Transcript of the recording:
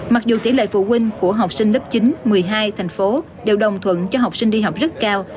mặc dù tỉ lệ phụ huynh của học sinh lớp chín một mươi hai tp hcm đều đồng thuận cho học sinh đi học rất cao